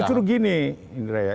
nah jujur gini indra ya